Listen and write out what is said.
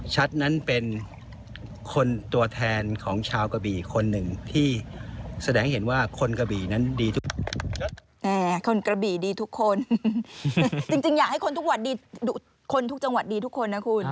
จริงอยากให้คนทุกจังหวัดดีทุกคนนะคุณ